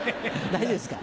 大丈夫ですか？